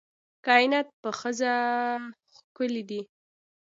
کائنات په ښځه ښکلي دي